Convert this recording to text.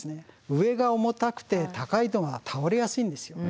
上が重たくて高いと倒れやすいんですよね。